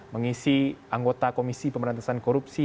mengisi anggota komisi pemberantasan korupsi